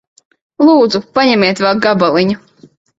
Lūdzu. Paņemiet vēl gabaliņu.